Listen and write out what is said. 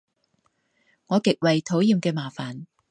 我極為討厭嘅麻煩